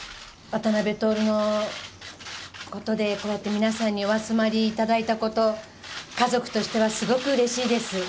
渡辺徹のことでこうやって皆さんにお集まりいただいたこと、家族としてはすごくうれしいです。